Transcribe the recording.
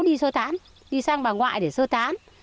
đi sơ tán đi sang bà ngoại để sơ tán